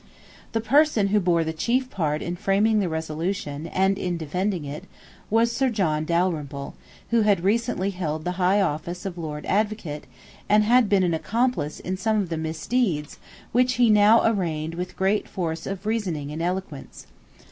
The person who bore the chief part in framing the resolution, and in defending it, was Sir John Dalrymple, who had recently held the high office of Lord Advocate, and had been an accomplice in some of the misdeeds which he now arraigned with great force of reasoning and eloquence.